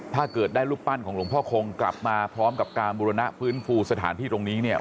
ถ้าเกิดได้รูปปั้นของหลวงพ่อคงกลับมาพร้อมกับการบุรณะฟื้นฟูสถานที่ตรงนี้เนี่ย